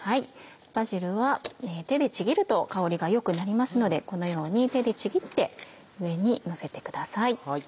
バジルは手でちぎると香りが良くなりますのでこのように手でちぎって上にのせてください。